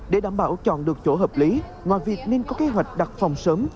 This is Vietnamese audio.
để đảm bảo chọn được chỗ hợp lý ngoài việc nên có kế hoạch đặt phòng sớm